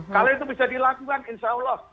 kalau itu bisa dilakukan insya allah